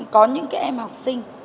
có những cái em học sinh